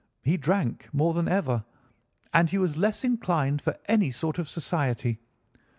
He drank more than ever, and he was less inclined for any sort of society.